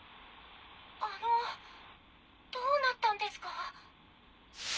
あのどうなったんですか？